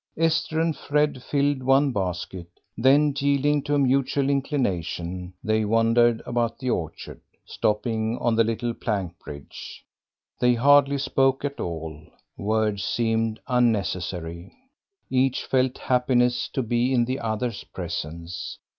Esther and Fred filled one basket, then, yielding to a mutual inclination, they wandered about the orchard, stopping on the little plank bridge. They hardly spoke at all, words seemed unnecessary; each felt happiness to be in the other's presence.